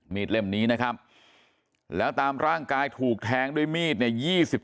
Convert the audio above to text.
เล่มนี้นะครับแล้วตามร่างกายถูกแทงด้วยมีดเนี่ย